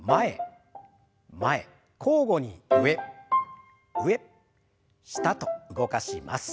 交互に上上下と動かします。